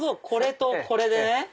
これとこれでね！